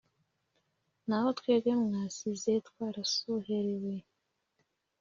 naho twebwe mwasize twarasuherewe